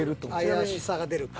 怪しさが出るか。